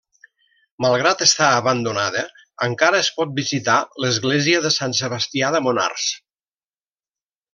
Malgrat estar abandonada, encara es pot visitar l'església de Sant Sebastià de Monars.